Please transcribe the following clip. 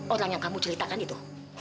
orang yang kamu ceritakan itu